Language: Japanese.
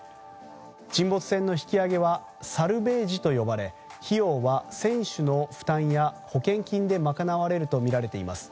沈没船の引き揚げはサルベージと呼ばれ費用は船主の負担や保険金で賄われるとみられています。